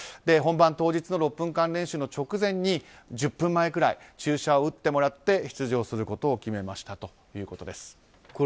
本番当日の６分間練習の直前に１０分前くらい注射を打ってもらって出場することを決めましたということです。